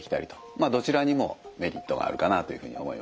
まあどちらにもメリットがあるかなというふうに思います。